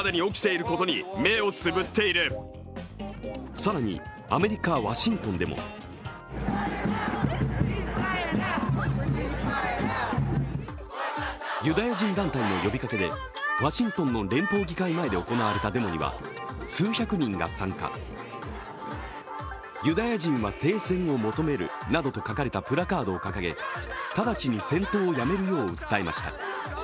更にアメリカ・ワシントンでもユダヤ人団体の呼びかけで、ワシントンの連邦議会前で行われたデモには数百人が参加、ユダヤ人は停戦を求めるなどと書かれたプラカードを掲げ直ちに戦闘をやめるよう訴えました。